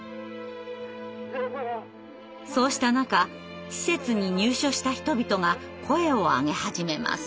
そうした中施設に入所した人々が声を上げ始めます。